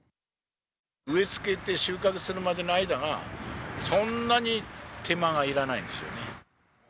植え付けて収穫するまでの間が、そんなに手間がいらないんですよね。